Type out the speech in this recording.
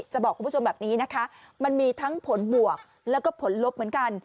จะบอกคุณผู้ชมแบบนี้นะคะมันมีทั้งผลบวกแล้วก็ผลลบเหมือนกัน